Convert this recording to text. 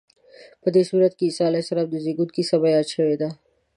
په دې سورت کې د عیسی علیه السلام د زېږون کیسه بیان شوې ده.